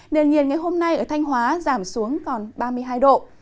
nền nhiệt ngày hôm nay ở thanh hóa giảm xuống còn ba mươi hai độ